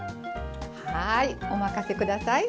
はいお任せください。